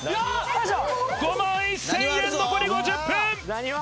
５万１０００円残り５０分！